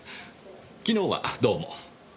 昨日はどうも。